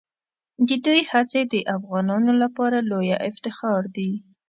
د دوی هڅې د افغانانو لپاره لویه افتخار دي.